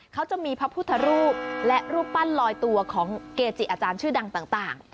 เขาจะมีพระพุทธรูปและรูปปั้นลอยตัวของเกจิอาจารย์ชื่อดังต่าง